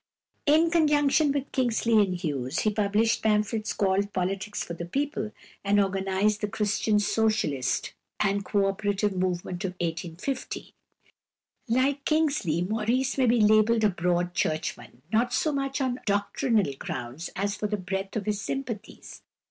In conjunction with Kingsley and Hughes he published pamphlets called "Politics for the People," and organised the Christian socialist and co operative movement of 1850. Like Kingsley, Maurice may be labelled a Broad Churchman, not so much on doctrinal grounds as for the breadth of his sympathies.